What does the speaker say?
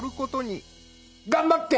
頑張って！